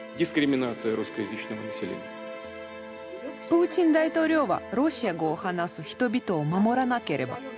プーチン大統領は「ロシア語を話す人々を守らなければ」と訴え続け